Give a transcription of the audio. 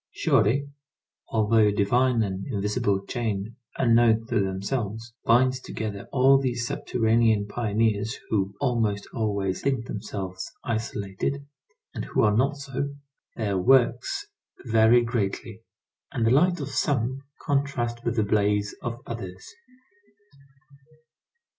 Surely, although a divine and invisible chain unknown to themselves, binds together all these subterranean pioneers who, almost always, think themselves isolated, and who are not so, their works vary greatly, and the light of some contrasts with the blaze of others.